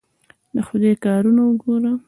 د خدای کارونه وګوره!